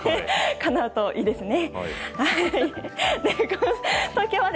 かなうといいですね。